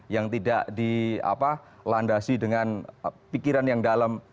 yang tidak dilandasi dengan pikiran yang dalam